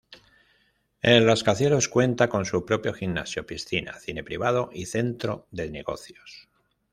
El rascacielos cuenta con su propio gimnasio, piscina, cine privado y centro de negocios.